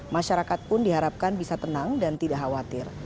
masyarakat pun diharapkan bisa tenang dan tidak khawatir